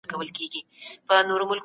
خپل مال په سمه لار ولګوئ.